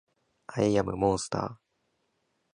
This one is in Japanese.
アイアムアモンスター